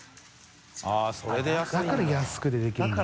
だから安くてできるんだ。